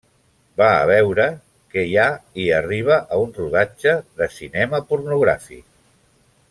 Va a veure què hi ha i arriba a un rodatge de cinema pornogràfic.